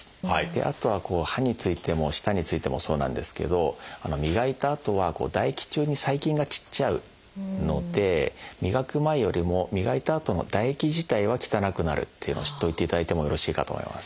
あとは歯についても舌についてもそうなんですけど磨いたあとは唾液中に細菌が散っちゃうので磨く前よりも磨いたあとの唾液自体は汚くなるっていうのを知っといていただいてもよろしいかと思います。